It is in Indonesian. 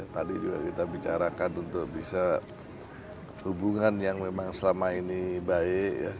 tadi juga kita bicarakan untuk bisa hubungan yang memang selama ini baik